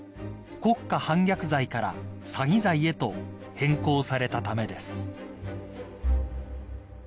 ［国家反逆罪から詐欺罪へと変更されたためです］